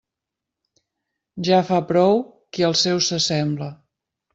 Ja fa prou qui als seus s'assembla.